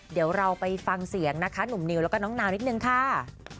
เดี๋ยวเราไปฟังเสียงนะคะหนุ่มนิวแล้วก็น้องนาวนิดนึงค่ะ